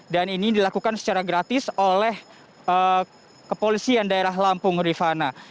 dan ini dilakukan secara gratis oleh kepolisian daerah lampung rifana